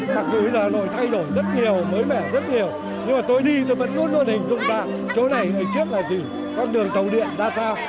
mặc dù hà nội thay đổi rất nhiều mới mẻ rất nhiều nhưng mà tôi đi tôi vẫn luôn luôn hình dung vào chỗ này ở trước là gì con đường tổng điện ra sao